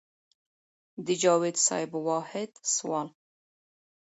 د جاوېد صېب واحد سوال